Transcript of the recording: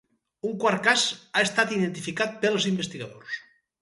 Un quart cas ha estat identificat pels investigadors.